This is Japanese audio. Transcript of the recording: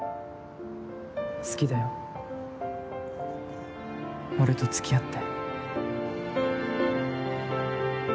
好きだよ、俺とつきあって。